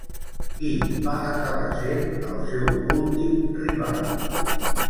Qui va acabar sent el seu últim rival?